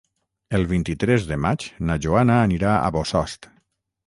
El vint-i-tres de maig na Joana anirà a Bossòst.